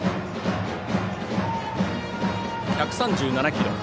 １３７キロ。